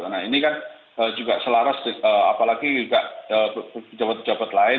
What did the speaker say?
nah ini kan juga selaras apalagi juga pejabat pejabat lain